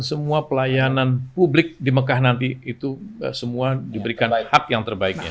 semua pelayanan publik di mekah nanti itu semua diberikan hak yang terbaiknya